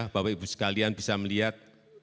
bapak ibu sekalian bisa melihat